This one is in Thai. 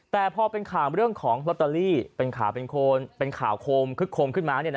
แต่พอเป็นข่าวเรื่องของลอตเตอรี่เป็นข่าวเป็นข่าวโคมคึกโคมขึ้นมา